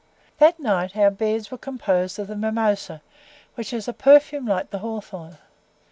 This night our beds were composed of the mimosa, which has a perfume like the hawthorn.